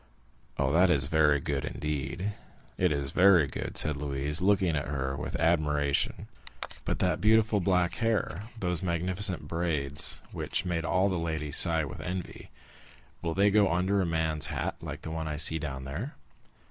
"Oh, that is very good—indeed, it is very good!" said Louise, looking at her with admiration; "but that beautiful black hair, those magnificent braids, which made all the ladies sigh with envy,—will they go under a man's hat like the one I see down there?"